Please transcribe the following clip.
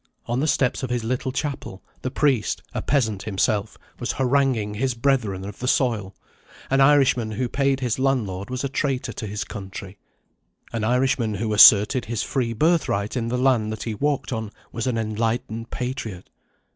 On the steps of his little chapel, the priest, a peasant himself, was haranguing his brethren of the soil. An Irishman who paid his landlord was a traitor to his country; an Irishman who asserted his free birthright in the land that he walked on was an enlightened patriot.